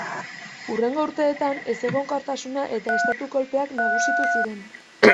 Hurrengo urteetan, ezegonkortasuna eta estatu-kolpeak nagusitu ziren.